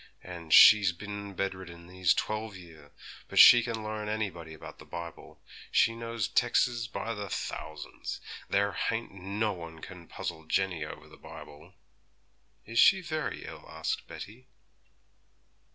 And she's bin bedridden these twelve year; but she can learn anybody about the Bible; she knows tex's by thousands; there hain't no one can puzzle Jenny over the Bible.' 'Is she very ill?' asked Betty.